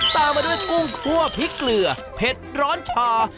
ตามมาด้วยกุ้งคั่วพริกเกลือเผ็ดร้อนชา